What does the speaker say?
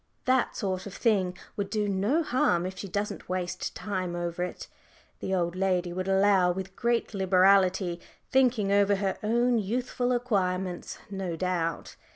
That sort of thing would do no harm if she doesn't waste time over it," the old lady would allow, with great liberality, thinking over her own youthful acquirements no doubt.